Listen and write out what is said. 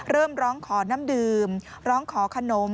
เริ่มร้องขอน้ำดืมร้องขอขนม